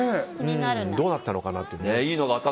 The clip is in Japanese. どうなったのかなという。